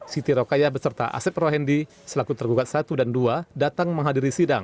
siti rokaya beserta asep rohendi selaku tergugat satu dan dua datang menghadiri sidang